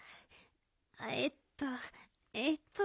えっとえっと。